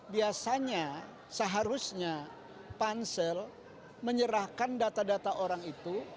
biasanya seharusnya pansel menyerahkan data data orang itu